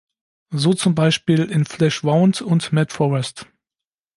So zum Beispiel in "Flesh Wound" und "Mad Forest".